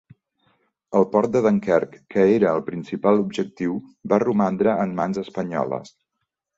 El port de Dunkerque, que era el principal objectiu va romandre en mans espanyoles.